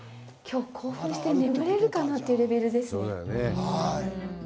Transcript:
きょう興奮して眠れるかなというレベルですね。